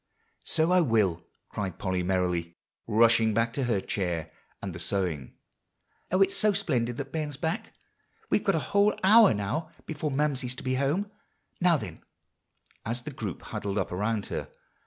"So I will," cried Polly merrily, rushing back to her chair and the sewing. "Oh, it's so splendid that Ben's back! We've got a whole hour now before Mamsie's to be home. Now, then," as the group huddled up around her.